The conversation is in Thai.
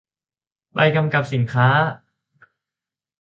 ใบกำกับสินค้า